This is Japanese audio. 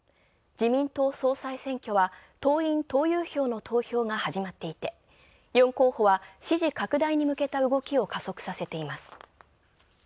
自民党総裁選は、党員、党友票の投票が始まっていて、４候補は支持拡大に向けた動きを加速させています。